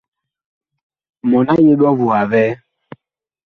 Mɔɔn a yeɓe ɔvuha vɛɛ.